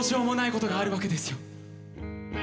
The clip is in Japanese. ことがあるわけですよ。